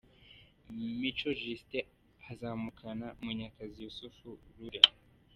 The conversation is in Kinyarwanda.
Mico Justin azamukana Munyakazi Yussuf Rule.